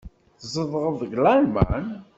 Tzedɣeḍ deg Lalman?